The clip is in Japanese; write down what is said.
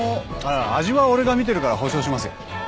味は俺が見てるから保証しますよ。